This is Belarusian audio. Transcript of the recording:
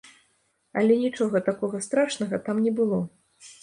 Але нічога такога страшнага там не было.